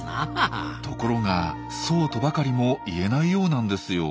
ところがそうとばかりも言えないようなんですよ。